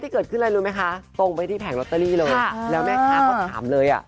คือหมดเลย